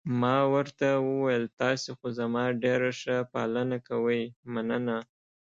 ما ورته وویل: تاسي خو زما ډېره ښه پالنه کوئ، مننه.